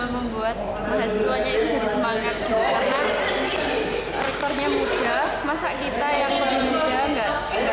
membuat mahasiswanya itu jadi semangat karena rektornya muda masa kita yang lebih muda enggak